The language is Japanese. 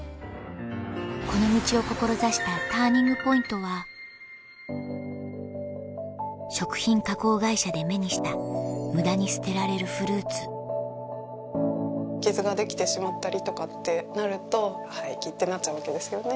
この道を志したＴＵＲＮＩＮＧＰＯＩＮＴは食品加工会社で目にした無駄に傷ができてしまったりとかってなると廃棄ってなっちゃうわけですよね。